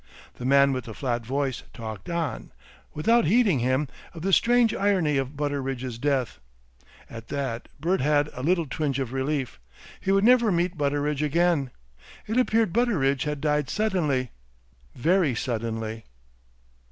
The man with the flat voice talked on, without heeding him, of the strange irony of Butteridge's death. At that Bert had a little twinge of relief he would never meet Butteridge again. It appeared Butteridge had died suddenly, very suddenly.